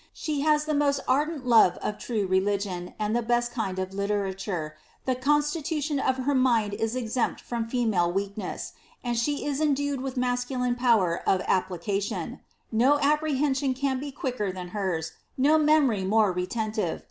She has the most ardent love of true religion and the best kind of literature ; the constitution of her mind is exempt from female weakness, and she is endued with masculine power of application ; no apprehension can be quicker than hers, no memory more retentive.